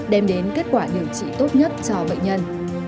đem đến kết quả điều trị tốt nhất cho bệnh nhân